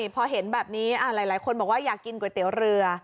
พอเห็นแบบนี้หลายคนบอกว่าอยากกินก๋วยเตี๋ยวเรือ